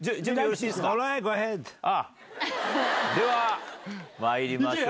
ではまいりましょう。